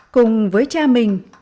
cùng với cha mình